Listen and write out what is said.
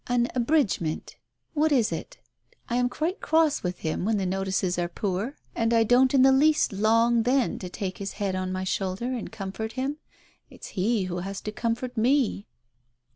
An ' abridgement '— what is it ? I am quite cross with him when the notices are poor, and I don't in the least long, then, to take his head on my shoulder and comfort him. It's he who h^s to comfort me."